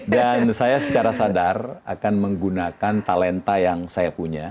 dan saya secara sadar akan menggunakan talenta yang saya punya